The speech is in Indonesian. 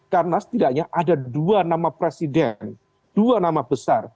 karena setidaknya ada dua nama presiden dua nama besar